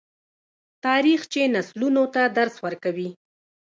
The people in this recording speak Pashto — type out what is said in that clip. تاریخ چې نسلونو ته درس ورکوي.